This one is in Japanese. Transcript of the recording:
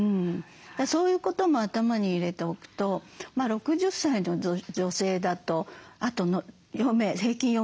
そういうことも頭に入れておくと６０歳の女性だとあとの余命平均